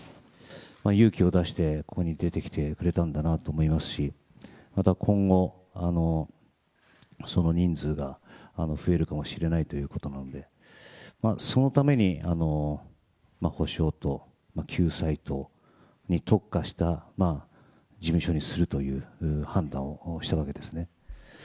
勇気を出してここに出てきてくれたんだなと思いますし、また今後、その人数が増えるかもしれないということなので、そのために、補償と救済に特化した事務所にするという判断をしたわけですね。